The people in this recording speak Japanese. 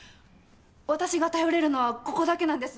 私が頼れるのはここだけなんです